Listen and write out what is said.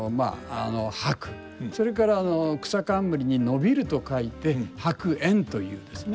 それから草冠に延びると書いて栢莚というですね